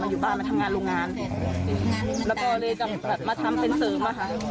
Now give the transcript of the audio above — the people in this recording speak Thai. แล้วก็เลยกลับมาทำเป็นเซอร์ม